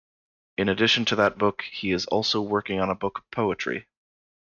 In addition to that book, he is also working on a book of poetry.